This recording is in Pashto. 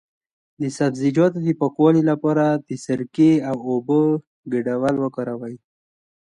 د سبزیجاتو د پاکوالي لپاره د سرکې او اوبو ګډول وکاروئ